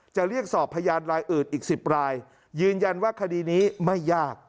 เรียกสอบพยานรายอื่นอีก๑๐รายยืนยันว่าคดีนี้ไม่ยาก